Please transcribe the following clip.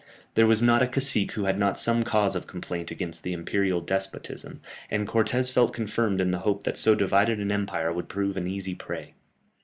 There was not a cacique who had not some cause of complaint against the imperial despotism, and Cortès felt confirmed in the hope that so divided an empire would prove an easy prey.